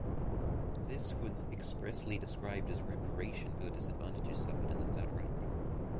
This was expressly described as reparation for the disadvantages suffered in the Third Reich.